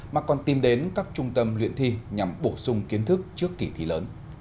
mà còn tìm đến các trung tâm luyện thi nhằm bổ sung kiến thức trước kỳ thi lớn